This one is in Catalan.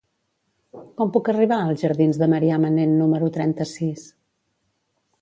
Com puc arribar als jardins de Marià Manent número trenta-sis?